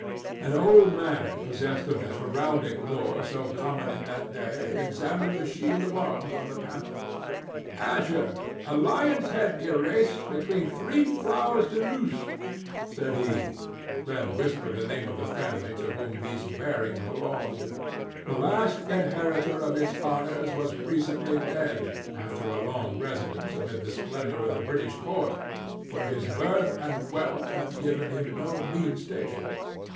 An old man possessed of the heraldic lore so common in that day examined the shield of arms on the panel. "Azure, a lion's head erased, between three flowers de luce," said he, then whispered the name of the family to whom these bearings belonged. The last inheritor of its honors was recently dead, after a long residence amid the splendor of the British court, where his birth and wealth had given him no mean station.